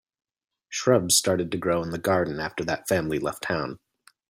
Shrubs started to grow in the garden after that family left town.